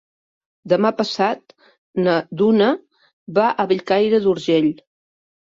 Demà passat na Duna va a Bellcaire d'Urgell.